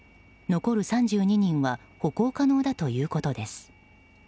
残る３２人は歩行可能だということです。